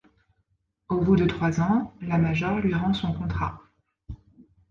Au bout de trois ans, la major lui rend son contrat.